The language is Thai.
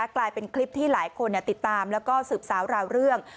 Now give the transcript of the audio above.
กลายเป็นคลิปที่หลายคนติดตามแล้วก็สืบสาวราวเรื่อง